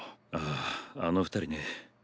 あああの２人ね。